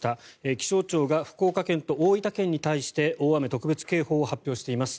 気象庁が福岡県と大分県に対して大雨特別警報を発表しています。